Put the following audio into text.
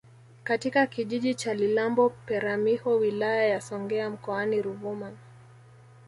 katika kijiji cha Lilambo Peramiho wilaya ya songea mkoani Ruvuma